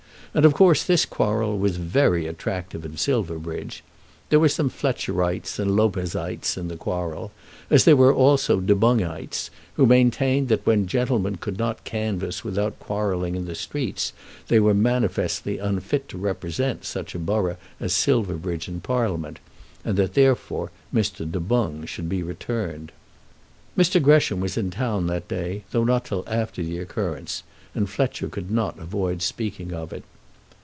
And of course this quarrel was very attractive in Silverbridge. There were some Fletcherites and Lopezites in the quarrel; as there were also Du Boungites, who maintained that when gentlemen could not canvass without quarrelling in the streets they were manifestly unfit to represent such a borough as Silverbridge in Parliament; and that therefore Mr. Du Boung should be returned. Mr. Gresham was in the town that day, though not till after the occurrence, and Fletcher could not avoid speaking of it.